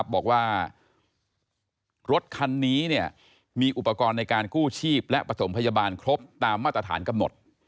บอกว่ารถคันนี้มีอุปกรณ์ในการกู้ชีพและประถมพยาบาลครบตามมาตรฐานกำหนด